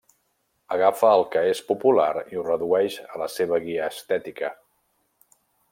Agafa el que és popular i ho redueix a la seva guia estètica.